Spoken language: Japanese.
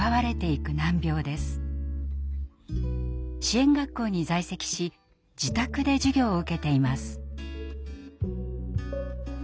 支援学校に在籍し自宅で授業を受けています。